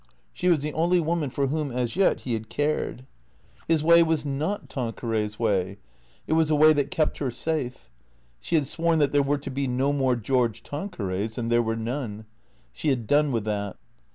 She was the only woman for whom as yet he had cared. His way was not Tanqueray's way. It was a way that kept her safe. She had sworn that there were to be no more George Tanquerays; and there were none. She had done with that.